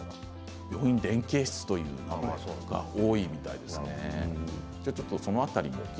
連携室というところが多いみたいですね。